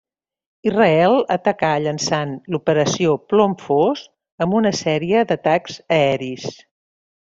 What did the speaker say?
Israel atacà llençant l'Operació Plom Fos amb una sèrie d'atacs aeris.